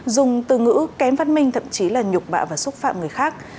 dùng từ ngữ kém phát minh thậm chí là nhục bạ và xúc phạm người khác